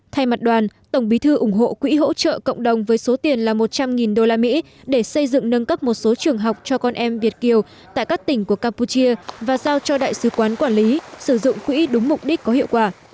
thay mặt đoàn tổng bí thư ủng hộ quỹ hỗ trợ cộng đồng với số tiền là một trăm linh usd để xây dựng nâng cấp một số trường học cho con em việt kiều tại các tỉnh của campuchia và giao cho đại sứ quán quản lý sử dụng quỹ đúng mục đích có hiệu quả